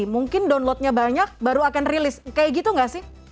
mungkin downloadnya banyak baru akan rilis kayak gitu gak sih